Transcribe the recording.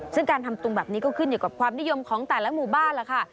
ซึ่งการทำตุงแบบนี้ก็ขึ้นอยู่กับความนิยมของแต่ละหมู่บ้านล่ะค่ะ